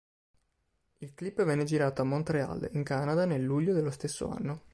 Il clip venne girato a Montréal, in Canada nel luglio dello stesso anno.